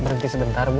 berhenti sebentar bu